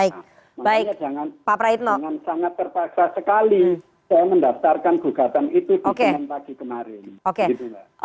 makanya jangan sangat terpaksa sekali saya mendaftarkan gugatan itu di jumat pagi kemarin